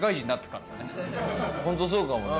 ホントそうかもね。